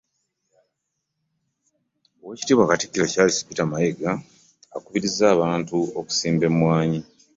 Owekitiibwa Katikiro Charles Peter Mayiga akubiriza abantu okusimba emmwanyi.